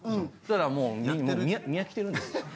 ただもう見飽きてるんです。